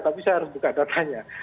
tapi saya harus buka datanya